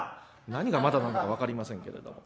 何が「まだ」なのか分かりませんけれども。